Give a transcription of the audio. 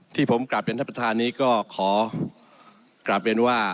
ที่ผมกลับเรียนท่านประธานนี้ก็ขอกลับเรียนว่า